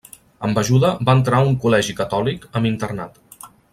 Amb ajuda va entrar a un col·legi catòlic amb internat.